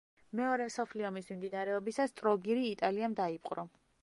მეორე მსოფლიო ომის მიმდინარეობისას, ტროგირი იტალიამ დაიპყრო.